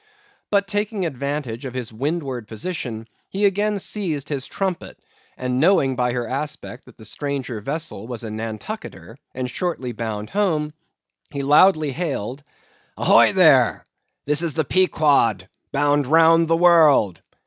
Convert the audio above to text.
But taking advantage of his windward position, he again seized his trumpet, and knowing by her aspect that the stranger vessel was a Nantucketer and shortly bound home, he loudly hailed—"Ahoy there! This is the Pequod, bound round the world!